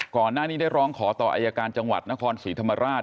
ก่อนหน้านี้ได้ร้องขอต่ออายการจังหวัดนครศรีธรรมราช